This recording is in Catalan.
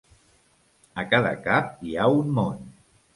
A cada cap hi ha un món.